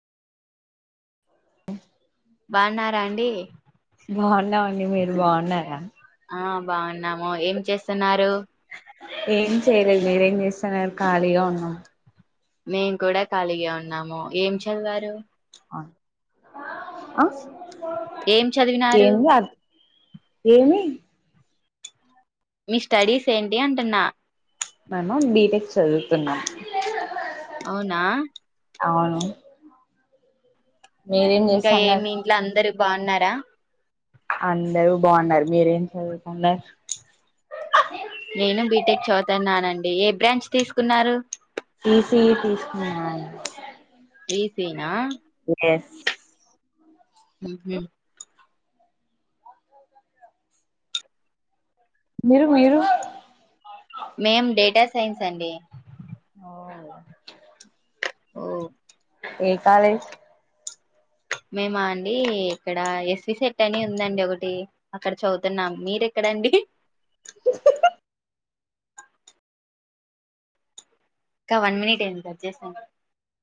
[inaudible] బాగున్నారా అండి బాగున్నామండి మీరు బాగున్నారా ఆ బావున్నాము ఏం చేస్తున్నారు ఏం చేయలే నేనేం చేస్తాను ఖాళీగానే ఉన్నా మేము కూడా ఖాళీగా ఉన్నాము ఏం చదివారు ఆ ఏం చదివినారు ఏంది ఆ ఏమి ఈ స్టడీస్ ఏంటి అంటన్న మేము బిటెక్ చదువుతున్న అవునా అవును మీరేం ఇంకా ఏమి చేస్తన్నారు ఇంట్లో అందరు బాన్నారా అందరూ బాన్నారు మీరేం చదువుతున్నారు డి ఏ బ్రాంచ్ తీసుకున్నారు ఈ సి యి తీసుకున్నానండి ఇ సి యి నా ఎస్ ఉమ్ హు మీరు మీరు మేం డేటా సైన్స్ అండి ఓ ఏ కాలేజ్ మేమ అండి ఇక్కడ ఎస్వి సెట్ అని ఉందండి ఒకటి అక్కడ చదువుతున్నాం మీరే ఎక్కడండి హా హా ఇంకా వన్ మినిట్ అయింది కట్ చేస్తన్